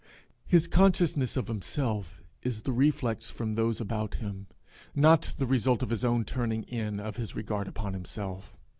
His consciousness of himself is the reflex from those about him, not the result of his own turning in of his regard upon himself.